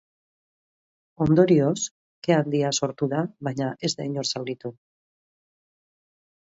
Ondorioz, ke handia sortu da, baina ez da inor zauritu.